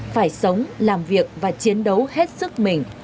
phải sống làm việc và chiến đấu hết sức mình